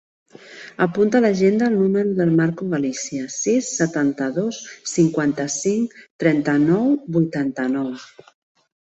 Apunta a l'agenda el número del Marco Galicia: sis, setanta-dos, cinquanta-cinc, trenta-nou, vuitanta-nou.